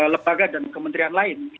lembaga dan kementerian lain